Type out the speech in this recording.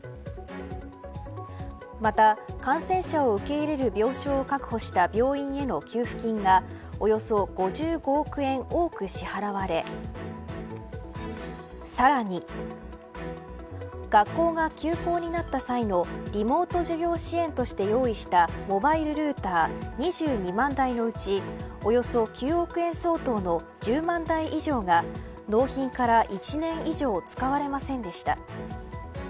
また感染者を受け入れる病床を確保した病院への給付金がおよそ５５億円多く支払われさらに学校が休校になった際のリモート授業支援として用意したモバイルルーター２２万台のうちおよそ９億円相当の１０万台以上が納品から１年以上使われませんでした。